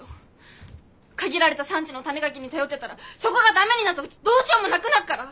限られた産地の種ガキに頼ってたらそこが駄目になった時どうしようもなくなっから！